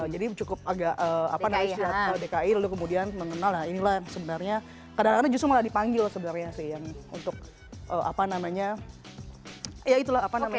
jadi cukup agak apa namanya sudah dki lalu kemudian mengenal nah inilah sebenarnya kadang kadang justru malah dipanggil sebenarnya sih yang untuk apa namanya ya itulah apa namanya